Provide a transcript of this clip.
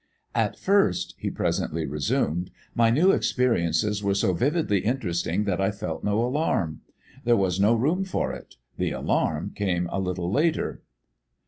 "At first," he presently resumed, "my new experiences were so vividly interesting that I felt no alarm. There was no room for it. The alarm came a little later."